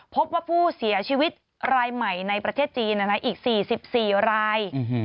พบว่าผู้เสียชีวิตรายใหม่ในประเทศจีนอีก๔๔ราย